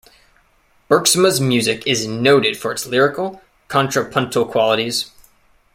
Bergsma's music is noted for its lyrical, contrapuntal qualities.